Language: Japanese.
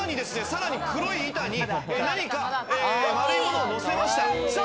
さらに黒い板に何か丸いものをのせました。